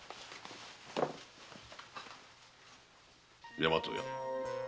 大和屋。